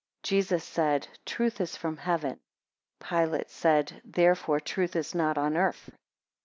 12 Jesus said, Truth is from heaven. 13 Pilate said, Therefore truth is not on earth.